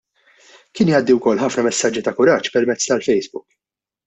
Kien jgħaddi wkoll ħafna mesaġġi ta' kuraġġ permezz tal-Facebook.